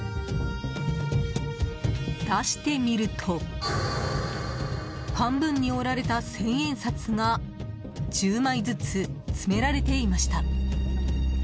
出してみると半分に折られた千円札が１０枚ずつ詰められていました。